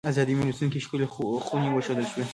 ازادۍ مېلمستون کې ښکلې خونې وښودل شوې.